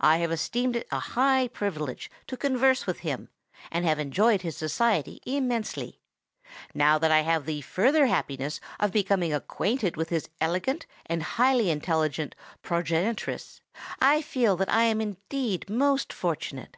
I have esteemed it a high privilege to converse with him, and have enjoyed his society immensely. Now that I have the further happiness of becoming acquainted with his elegant and highly intellectual progenitress, I feel that I am indeed most fortunate.